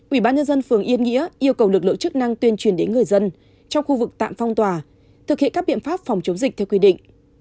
ủy ban nhân dân phường yên nghĩa yêu cầu lực lượng chức năng tuyên truyền đến người dân trong khu vực tạm phong tỏa thực hiện các biện pháp phòng chống dịch theo quy định